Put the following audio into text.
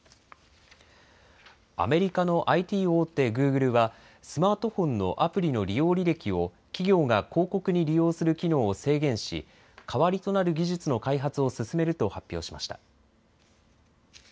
アメリカのＩＴ大手グーグルは、スマートフォンのアプリの利用履歴を企業が広告に利用する機能を制限し、代わりとなる技術の開発を進めると発表しました。